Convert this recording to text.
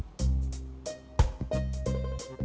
kamu mau dipingin